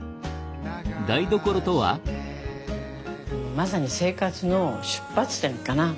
まさに生活の出発点かな。